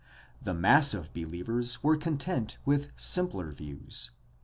The mass of believers were content with simpler views.